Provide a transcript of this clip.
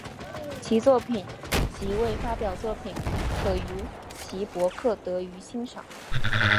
其作品及未发表作品可于其博客得于欣赏。